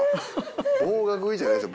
忘我食いじゃないです